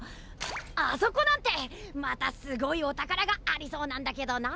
あそこなんてまたすごいおたからがありそうなんだけどな。